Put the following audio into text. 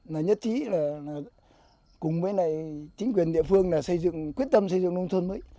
nhất trí là cùng với chính quyền địa phương quyết tâm xây dựng nông thôn mới